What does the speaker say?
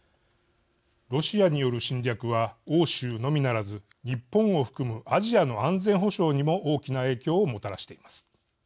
ロシアによる侵略は欧州のみならず、日本を含むアジアの安全保障にも大きな影響をもたらしています。